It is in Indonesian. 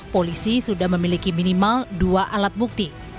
polisi sudah memiliki minimal dua alat bukti